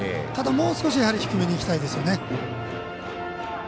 ただ、もう少し低めにいきたいですよね。